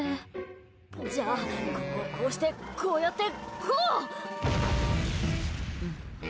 じゃあここをこうしてこうやって、こう！